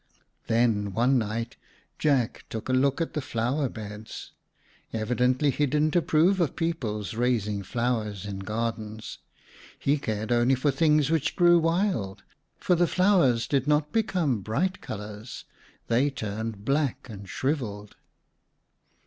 Then one night, Jack took a look at the flower beds. Evidently he didn't approve of people's raising flowers in gardens; he cared only for things which grew wild. For the flowers did not become bright colors; they turned black and shriveled.